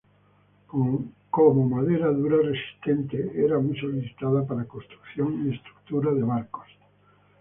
Como madera dura resistente era muy solicitada para construcción y estructura de barcos.